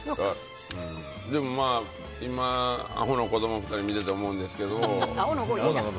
でも今、あほな子供２人を見てて思うんですけど。